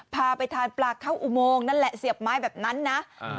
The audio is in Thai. พาไปทานปลาเข้าอุโมงนั่นแหละเสียบไม้แบบนั้นนะอ่า